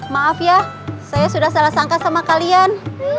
maaf ya saya sudah salah sangka sama kalian